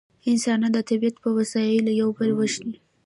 انسانان د طبیعت په وسایلو یو بل وژني